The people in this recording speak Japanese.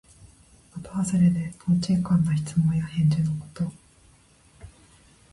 まとはずれで、とんちんかんな質問や返事のこと。